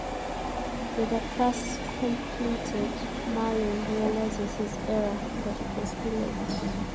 With the curse completed Merlin realizes his error, but it is too late.